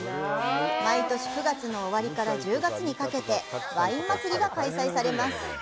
毎年９月の終わりから１０月にかけてワイン祭りが開催されます。